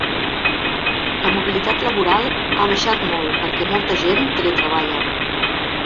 La mobilitat laboral ha baixat molt, perquè molta gent teletreballa.